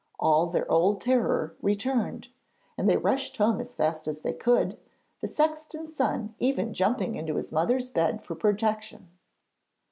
All their old terror returned, and they rushed home as fast as they could, the sexton's son even jumping into his mother's bed for protection.